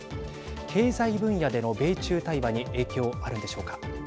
経済分野での米中対話に影響あるんでしょうか。